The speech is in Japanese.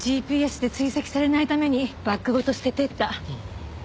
ＧＰＳで追跡されないためにバッグごと捨てていった。